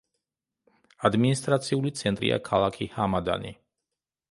ადმინისტრაციული ცენტრია ქალაქი ჰამადანი.